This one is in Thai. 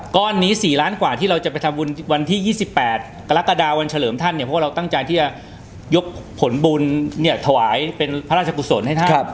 ก้อนนี้๔ล้านกว่าที่เราจะไปทำบุญวันที่๒๘กรกฎาวันเฉลิมท่านเนี่ยเพราะว่าเราตั้งใจที่จะยกผลบุญเนี่ยถวายเป็นพระราชกุศลให้ท่าน